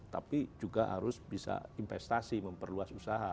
tapi juga harus bisa investasi memperluas usaha